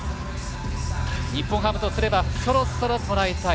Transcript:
日本ハムとすればそろそろ捉えたい。